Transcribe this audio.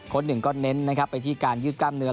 คนหนึ่งก็เน้นไปที่การยืดกล้ามเนื้อ